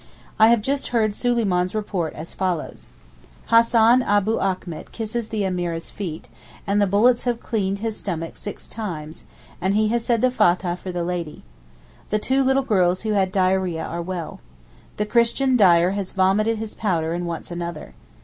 I have just heard Suleyman's report as follows: Hassan Abou Achmet kisses the Emeereh's feet, and the bullets have cleaned his stomach six times, and he has said the Fathah for the Lady. The two little girls who had diarrhœa are well. The Christian dyer has vomited his powder and wants another.